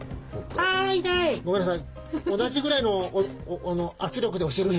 あ。ごめんなさい。